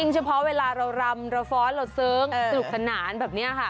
เฉพาะเวลาเรารำเราฟ้อนเราเสริงสนุกสนานแบบนี้ค่ะ